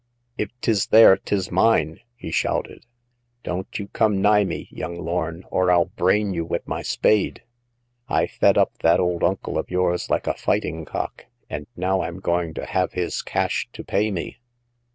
If 'tis there, 'tis mine !" he shouted. Don't you come nigh me, young Lorn, or I'll brain you with my spade ! I fed up that old uncle of yours like a fighting cock, and now I'm going to have his cash to pay me